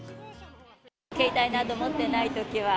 携帯など持ってないときは。